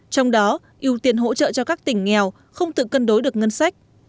trong đó ưu tiên hỗ trợ cho các tỉnh nghèo không tự cân đối được ngân sách